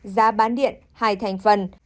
giá bán điện hai thành phần